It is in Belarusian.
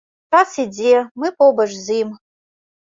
Час ідзе, мы побач з ім.